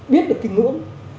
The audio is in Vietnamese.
biết được kinh ngưỡng